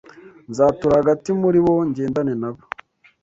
Nzatura hagati muri bo ngendane na bo